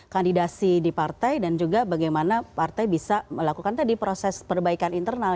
kandidasi di partai dan juga bagaimana partai bisa melakukan tadi proses perbaikan internal